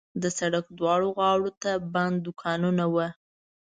د سړک دواړو غاړو ته بند دوکانونه وو.